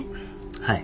はい。